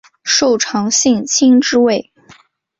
受长信卿之位。